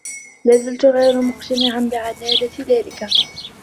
لازلت غير مقتنعا بعدالة ذلك.